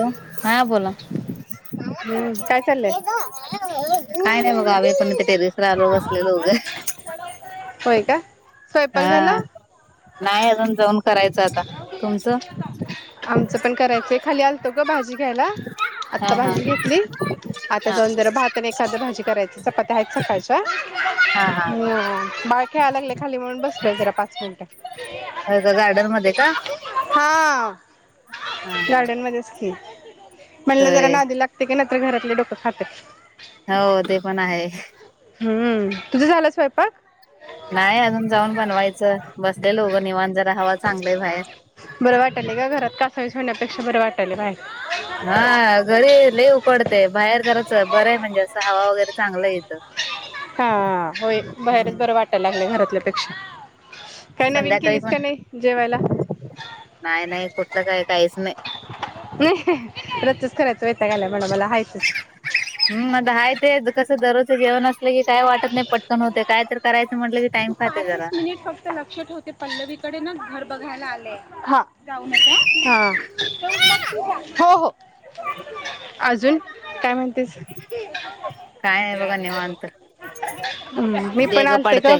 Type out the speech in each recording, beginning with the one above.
हो हा बोला काय हम्म काय चाललंय नाही बघा आ पण ते टेरिसर आलो बसलेलंो होय का स्वयंपाक झाला हा नायंतवन आमचं पण करायचंय खाली आलतो ग भाजी घ्यायला हा आता हा भाजी घेतली आता हा. जाऊन जरा भातने एखाद भाजी करायची चपात्या आहेत सकाळच्या हा हा बा ह अलाग खाली म्हणून बसल जरा पाच मिनिटं ब का हा हा गार्डन मच की म्हणलं जरा होय. नादी लागते की घरातले डोकं खातात हो ते पण आहे हम्म तुझं झालं स्वयंपाक नाही अजून जाऊन बनवायचं बसलेलो उग निवांत जरा हवा चांगली आहे बाहेर बरं चांगली बाहेर हा घरी लय उकडते बाहेर जरांस बरं आहे म्हणजे अस हवा वगैरे चांगलं येतं हा होय बाहेरच बरं हम्म वाटायला घरातल्यापेक्षा काय नवीन संध्याकाळी केलीस पण का नाही जेवायला नाही नाही कुठलं काय काहीच नाही. वैताग आलाय म्हणा मला हायचच. हम् मग हाय तेच कस दररोज जेवन अस की काय तू कडे घर बघायला आलेय हा हा हो हो अजून काय नाही बघा निवांत हम् मी पण देग आलते ग पडतय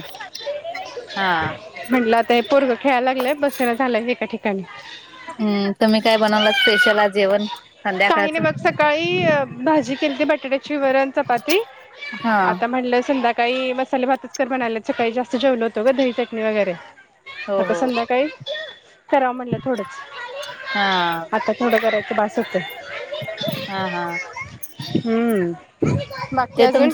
हा. म्हंटलं आता पोरग खेळायला लागलंय बसना झालंय हे या ठिकाणी हम्म तुम्ही काय बनवला स्पेशल आज जेवण काही संध्याकाळच नाही बघ सकाळी भाजी केलती बटाट्याची वरण, चपाती संध्याकाळी, मसाले भातच कर म्हणाल्यात सकाळी जास्त जेवलो होतो ग दही, चटणी वगैरे हो आता हो संध्याकाळी कराव म्हणलं हा थोडंच आता थोडं करायच ते बास होतय. हा हा. हम्म बाकी ते अजून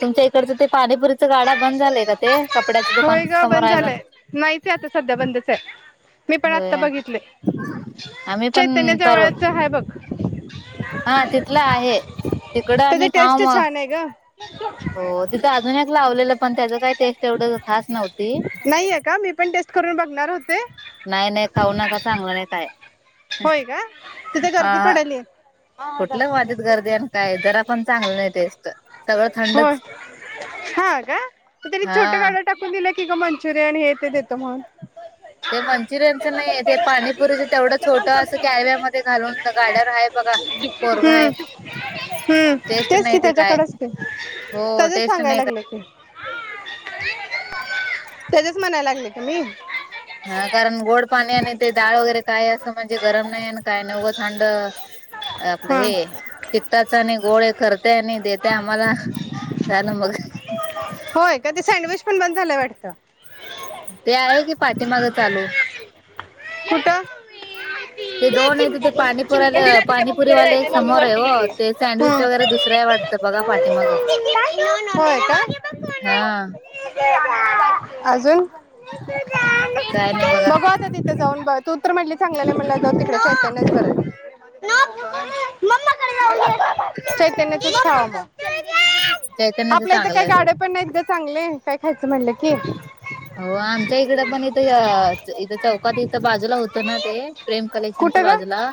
तुमच्या इकडचं ते पाणीपुरीच गाडा बंद झालाय का ते कपड्याच्या दुकान होय ग समोर बंद आहे बघ, झालंय नाहीच आहे आता सध्या बंदच आहे मी पण हो आत्ता बघितले आम्ही पण चैतन्य पर जवळच आहे बघ हा तिथलं आहे तिकडं त्याची आम्ही खाऊ टेस्ट मग छान आहे ग हो तिथे अजून एक लावलेलं पण त्याच काही टेस्ट एवढ खास नव्हती नाहीये का मी पण टेस्ट करून बघणार होते नाही नाही खाऊ नका चांगलं नाही काय. होय का तिथे गर्दी हा पडली कुठलं माझीत गर्दी आणि काय जरा पण चांगलं नाही टेस्ट सगळं थंडच हा कानी छोट हा गाड्या टाकून क का म्हण ते मंचुरियनच नाही ते पाणीपुरीच तेवढंच. छोट असं कॅरव्या म घालून गाडर आहे बघा हम्म कोरगय हम्म टेस्ट तेच की नाही ते काय त्याच्याकडच की हो त्याच्याच टेस्ट नाही सांगायला काय. लागले की त्याच्याच म्हणायला लागले का मी हा कारण गोड पाणी आणि ते डाळ वगैरे काय असं म्हणजे गरम नाही आणि काय नाही उग थंड आपलं हा हे तिखटाचं आणि गोड एक करते आणि देत आम्हाला झालं मग. होय का ते सँडविच पण बंद झालंय वाटतं. ते आहे कि पाठीमाग चालू. कुठं ते ये दोन आहे चिमटा तिथे घे चिमटा पाणीपुराला तिला तुझ्या पाणीपुरी मम्मीकडे वाले जायचंय एक मम्मी समोर आहे वरती हो गेली ते सँडविच हं. वगैरे दुसरं वाटतं बघा पाठीमाग होय का? हा. अजून? काय नाही बघा बघू आता तिथे जाऊन बघ तु तर म्हणले चांगलं म्हणल्यावर जाऊ तिकडे चैतन्यच बरं. चैतन्याच खावं मग चैतन्याच आपल्या इथं चांगलं काही आहे हो. गाड्या पण नाहीत ग चांगले. काय खायचं म्हणलं की हो आमच्या इकडे पण इथं इथं चौकात इथं बाजूला होत ना ते प्रेम कलेक्शनच्या कुठं ग बाजूला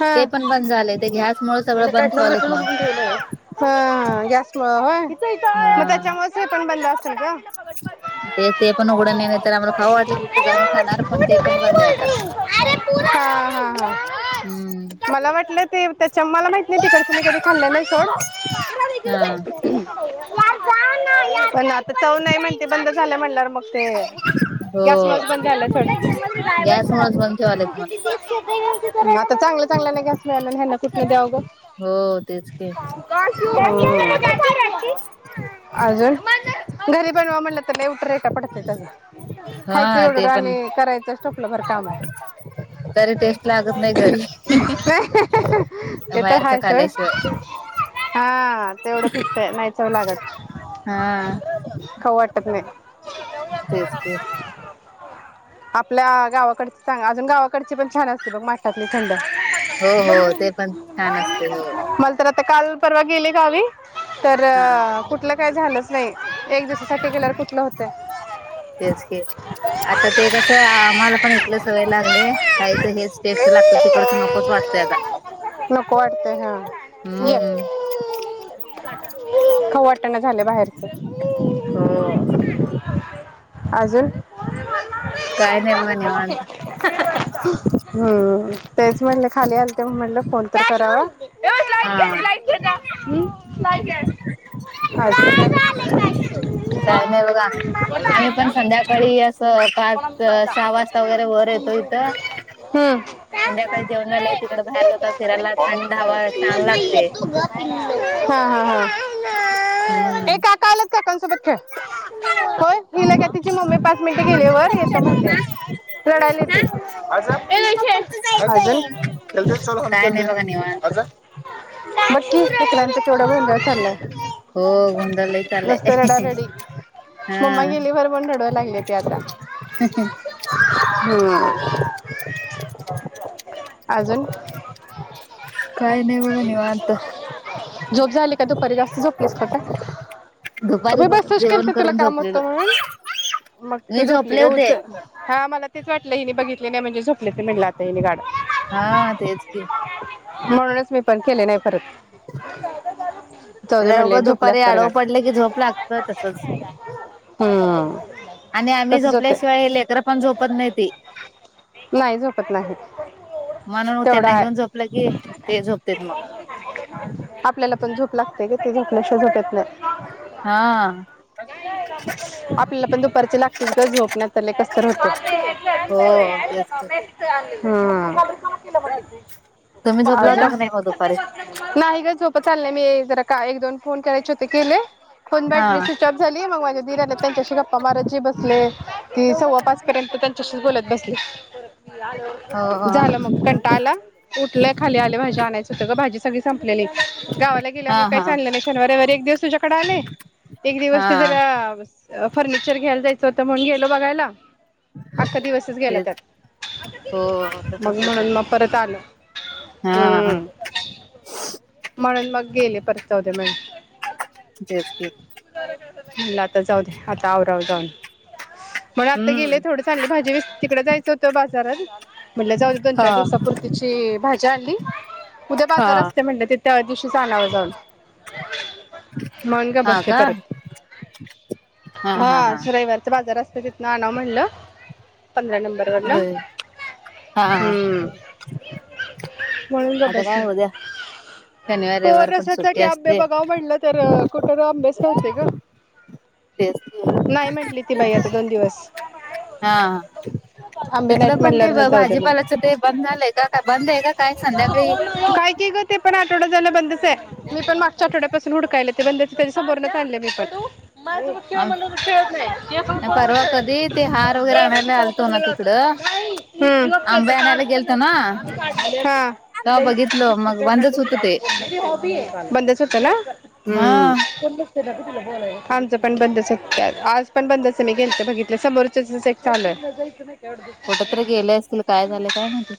हा ते पण बंद झाले ते गॅस मुळे सगळं याने काय बंद ठेवालेत संघटन म्हण. ह होय. मग हा. त्याच्यामुळे हे पण बंद असेल ग. ते ते पण उघडं नाही नाही तर आम्हाला खाऊ वाटलं की तिथं जाऊन खाणार पण ते पण बंद आहे आता. हम्म. मला वाटलं ते चमाला माहित नाही तिकडचं मी कधी खाल्लेलं नाही सोड हा पण आता चव नाही म्हणते बंद झालं म्हणल्या मग ते हो गॅस मुळे बंद झालंय सोड. गॅस रा मुळच बंद ठेवालेत म्हण. म्हणजे म्हणजे [inaudible] [inaudible] चांगल्या चांगल्या गॅस मिळेना ह्यांना कुठून द्याव ग हो तेच की अजून घरी बनवा म्हटलं लय उटारे पडतेत हा खायचं ते एवढं पण आणि करायचं टोपल भर. ते तरी टेस्ट लागत नाही घरी तर बाहेरच आहे सोड. खाल्याशिवाय [unintelligible] हा तेवढं पिकतंय नाही त चव लागच हा टतं नाय. तेच कि [unintelligible] आपल्या गावा कड अजून गावाकडची पण छान असते बघ, माठातली थंड. हो-हो ते पण छान असते, हो. मला तर आता काल परवा गेले गावी तर हा अ कुठलं काही झालंच नाही. एक दिवसासाठी गेल्यावर कुठलं होतंय. तेच कि, आता ते कसं, आम्हाला पण इतलं सवय लागले, खायच हेच टेस्ट लागत, तिकडच नकोच वाटतय आता, नको वाटतंय हा ये हम् खाऊ वाटणं झाले बाहेरचं हो. अजून [unintelligible] काय नाही बघा निवांत. [unintelligible] हम्म तेच म्हण ले खाली आलते, म्हणलं फोन तर करावा. हा काय नाही बघा आम्ही पण संध्याकाळी [unintelligible] ता वगैरे वर येतो इथं. हम्म संध्याकाळी जेवण झाल्यावर तिकडे बाहेर जाता फिरायला थंड हवा छान मम्मा लागते. येतो ग पिल्लू हा हा हा. ए, हम्म. काका आल्यात काकांसोबत खेळ, होय हीला घ्या तिची मम्मी पाच मिनिट गेली वर येतो म्हणल्या. रडायली ती, काय नाही बघा निवांत [unintelligible] [inaudible] बकी लेकरांचा केवढं [unintelligible] चालंलाय. हो गोंधळ लय चाललाय, रडारडी [unintelligible] हा. मम्मा गेलीवर पण रडवायला हम् [unintelligible] अजून [unintelligible] काही नाही बघा निवांत. झोप झाली का? दुपारी जास्त झोपलीस का काय? दुपारी बघ [unintelligible] केल जेवण ते तुला करून काम होत झोपलेलो म्हणून, मग तू मी झोपली झोपले उच होते. हा मला तेच वाटलं हिने बघितले नाही म्हणजे झोपले [unintelligible] म्हणलं आता हेनी गाड. हा तेच की. म्हणूनच मी पण केले नाही. परत जाऊ दे म्हणले [unintelligible] झोपले दुपारी असणार आडव गाड पडलं की झोप लागत्या तसचं. हम्म आणि आम्ही तसंच होते झोपल्याशिवाय लेकर पण झोपत नाई ती नाही झोपत नाही म्हणून तेवढं त्यांना आहे घेऊन झोपलं की ते झोपतेत मग. तू झोपल्याशिवाय झोपत लं हा आपल्याला पण दुपारचं लागतीस गं झोप ना कस्तर होते. हो तेच की. हं अं. तुम्ही झोपला होता आजून का नाही मग दुपारी? नाही गं झोप आली नाई मी जरा काय एक दोन फोन करायचे होते केले? फोन हा. बॅटरी स्विचऑफ झाली मग माझे दिर आलेत त्यांच्याशी गप्पा मारत जे बसलो कि सव्वा पाच पर्यंत त्यांच्याशीच बोलत बसले. हो झालं मग कंटाळ आला उठलंत खाली आलोय भाजी आणायचं होत गं भाजी सगळी संपलेली. गावाला हा गेल्यामुळे काय हा चाल नाई शनिवार रविवारी एक दिवस तुझ्याकडं आलय. एक दिवस हा ते जरा आवस फर्निचर घ्याल जायाचं होत म्हणून गे [unintelligible] बघायला. अख्खा दिवसच गेला त्यात तेच हो तसच मग होतय म्हणून म परत आलो हा हम्म. म्हणून मग गेले परत जाऊदे म्हटलं. [inaudible] मला आता जाऊ द्या, आता आवराव जाऊन. मला आता गेलं हम्म थोड चांगली भाजी [unintelligible] तिकड जायाचं होतं बास. [inaudible] म्हनल जाऊ द्या दोन हा चार दिवसा पूरतीची भाजी जाली. उद्या हा बाजार असत्यय म्हनल ति त्या दिवशीच अनाव जाऊन. ह [inaudible] म्हणून गप्प हा बसते का परत हा आज रविवारचा बाजार अस तिथनं आणा म्हनल पंधरा नंबर वरनं होय हा हम्म म्हणून गब आता बसले. काय उद्या शनिवार हो रविवार पण सुट्टी रसासाठी आंबे असते बघाव म्हणलं तर, कुठवर आंबेच नव्हते ग. तेच ते नाही हा.. म्हटली ती बाई आता दोन दिवस हा.. आंबे तिथलं नाहीत पण ते म्हणल्यावर मग जाऊ दे म्हटलं भाजीपालाचं ते बंद झालंय का? का बंद आहे का काय संध्याकाळी? आठवड्या झालं बंदच हाय, मी पण मागच्या आठवड्यापासून हुडकायले ते बंदच. त्याच्या समोरनेच आणले मी पण. माझ्या सोबत खेळ म्हणल आम्ही तर खेळत नाही, तिच्या परवा कधी ते हार वगैरे आणायला सोबत आलतो ना बरोबर तिकडं आंबे आणायला खेळतो. गेलतो ना तेव्हा बघितलो मग बंदच [unintelligible] होत ते ती हॉबी आहे, बंदच होत ना, हम्म. हा आमचं पण बंद होत त्यावेळेला आज. पण बंदच हाय, मी गेलतो बघितलं समोर. सिझनेटैप चालू आहे. कुठ तरी गेले असतील काय झाले काय माहिती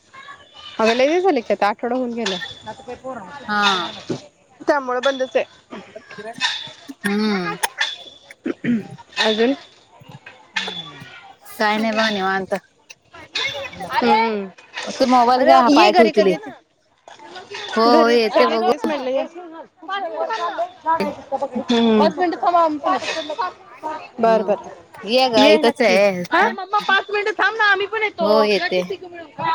अग लई दिवस झाल की आता आठवडा होऊन गेले. म [unintelligible] हा होय [unintelligible] त्यामुळ बंदच हाय. क-किरण हम्म. [inaudible] हम्म. काय नाही बघ निवांत. हम्म. ते मोबाईल घ्या हा ये पाय घरी ठेवतील कधी हे. येते हो येते बघू. काय बोललो [unintelligible] काय माहित अता बघूया. हम्म पाच मिनट थांबवा आम्ही पा हम् येग इथच हाय. अरे मम्मा पाच मिनिटं थांब ना आम्ही पण येतो हो म येते ति तिघ मिळून खाऊ.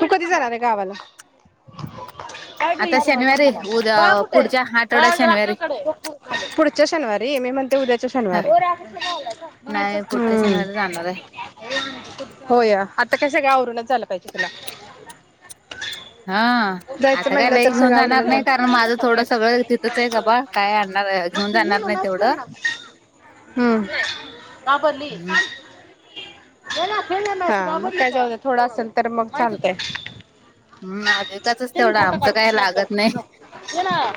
तू कधी जाणार आहे गावाला? आता शनिवारी उद्या बाळ कुठे आहे? पुढच्या आठवड्यात बाळ जरा शनिवारी [unintelligible] कडे आहे. पुढच्या शनिवारी? मी म्हणते उद्याच्या हा शनिवारी. नाही पुढच्या हम्म शनिवारी जाणार आहे होय आता काय सगळे आप आवरूनच जायला पाहिजे तुला. हा जायचं आता काय म्हणलं लई तर घेऊन सगळं जाणार आवरूनच नाही कारण झालं माझं थोडं सगळं तिथंच आहे बाबा काय आणणार घेऊन ये जाणार ना नाही मॅच कर तेवढं ना हम्म हा बोलली. हम्म कान [unintelligible] हां मग काय जाऊदे थोडं असेल तर मग चालतंय. हम्म [unintelligible] ते मी तेवढं फोटो आमचं काढ काय स्नॅप लागत काढ नाही. नको ये ना